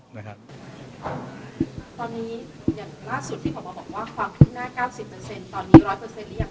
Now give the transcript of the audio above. ตอนนี้อย่างล่าสุดที่ผมมาบอกว่าความคืบหน้า๙๐ตอนนี้๑๐๐หรือยัง